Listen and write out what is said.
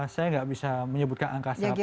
saya nggak bisa menyebutkan angka setelah pas ini